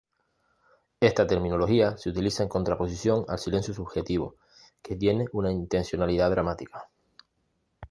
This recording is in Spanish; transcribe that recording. Esta terminología se utiliza en contraposición al silencio subjetivo, que tiene una intencionalidad dramática.